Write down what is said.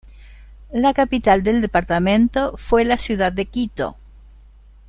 La capital del departamento fue la ciudad de Quito.